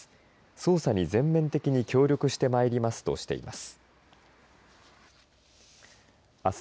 捜査に全面的に協力してまいりますとしています。